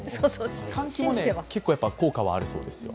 換気もやっぱり結構効果はあるそうですよ。